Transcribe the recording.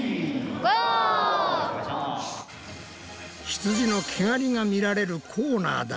ひつじの毛がりが見られるコーナーだ！